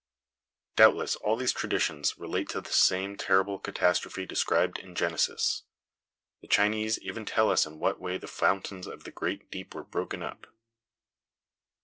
Doubtless all these traditions relate to the same terrible catastrophe described in Genesis. The Chinese even tell us in what way the "fountains of the great deep were broken up."